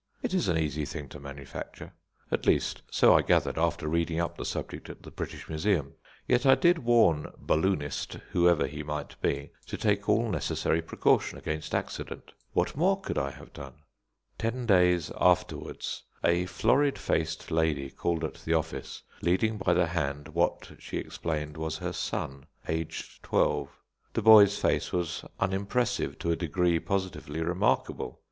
It is an easy thing to manufacture at least, so I gathered after reading up the subject at the British Museum; yet I did warn "Balloonist," whoever he might be, to take all necessary precaution against accident. What more could I have done? Ten days afterwards a florid faced lady called at the office, leading by the hand what, she explained, was her son, aged twelve. The boy's face was unimpressive to a degree positively remarkable.